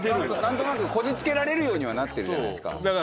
何となくこじつけられるようにはなってるじゃないですか。